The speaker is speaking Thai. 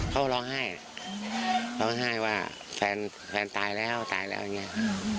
เขาร้องไห้ร้องไห้ว่าแฟนแฟนตายแล้วตายแล้วอย่างนี้